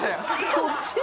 そっち？